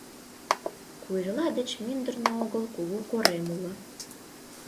Куэрла деч мӱндырнӧ огыл кугу корем уло.